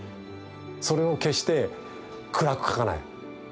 それを決して暗く描かない。